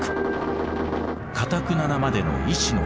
かたくななまでの意志の強さ。